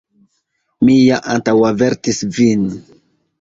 Mi ja antaŭavertis vin